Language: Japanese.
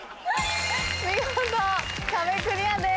見事壁クリアです。